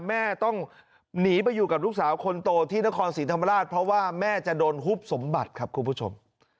แม่ต้องหนีไปอยู่กับลูกสาวคนโตที่นครศรีธรรมราชเพราะว่าแม่จะโดนฮุบสมบัติครับคุณผู้ชม